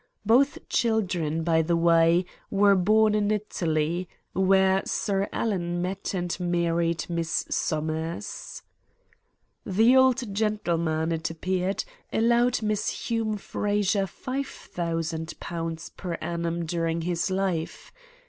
Both children, by the way, were born in Italy, where Sir Alan met and married Miss Somers. "The old gentleman, it appeared, allowed Miss Hume Frazer £5,000 per annum during his life.